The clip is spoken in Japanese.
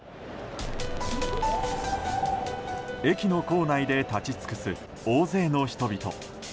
駅の構内で立ち尽くす大勢の人々。